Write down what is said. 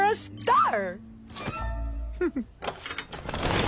フフッ！